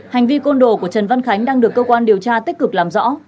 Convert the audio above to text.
hành vi côn đồ của trần văn khánh đang được cơ quan điều tra tích cực làm rõ